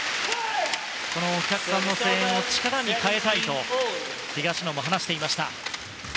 お客さんの声援を力に変えたいと東野も話していました。